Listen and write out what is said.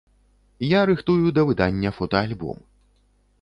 Я рыхтую да выдання фотаальбом.